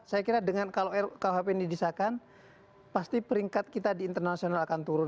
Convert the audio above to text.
saya kira dengan kalau rkuhp ini disahkan pasti peringkat kita di internasional akan turun